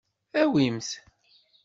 Awim-t.